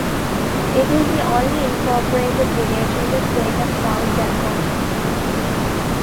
It is the only incorporated village in the state of South Dakota.